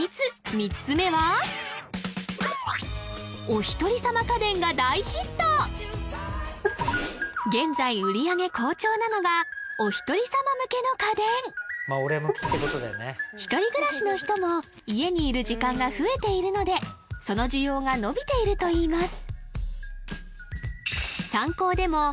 ３つ目は現在売り上げ好調なのが一人暮らしの人も家にいる時間が増えているのでその需要が伸びているといいます